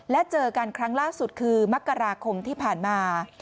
และเจอกันครั้งล่าสุดคือมกราคมที่ผ่านมา